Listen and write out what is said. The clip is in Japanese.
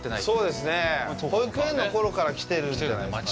そうですね、保育園のころから来てるんじゃないですかね。